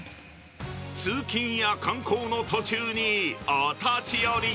通勤や観光の途中にお立ち寄り。